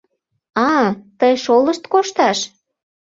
— А-а, тый шолышт кошташ!